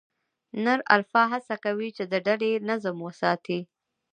نر الفا هڅه کوي، چې د ډلې نظم وساتي.